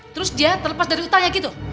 terus dia terlepas dari utangnya gitu